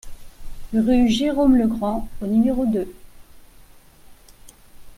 Rue Jérome Legrand au numéro deux